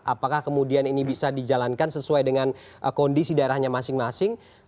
apakah kemudian ini bisa dijalankan sesuai dengan kondisi daerahnya masing masing